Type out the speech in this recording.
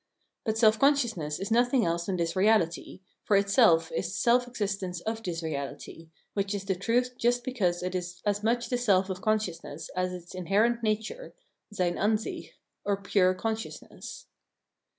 But self consciousness is nothing else than this reality, for itself is the self exist ence of this reality, which is the truth just because it is as much the self of consciousness as its inherent nature (sein Ansicli), or pure consciousness.